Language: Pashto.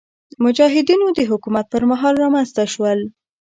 مجاهدینو د حکومت پر مهال رامنځته شول.